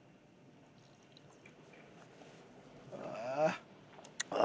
ああ。